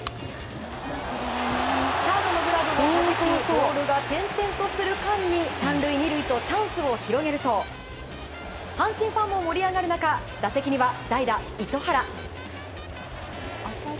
サードのグラブをはじきボールが転々とする間に３塁２塁とチャンスを広げると阪神ファンも盛り上がる中打席には代打、糸原。